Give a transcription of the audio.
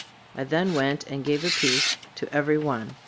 I then went and gave a piece to every one.